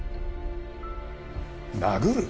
殴る！？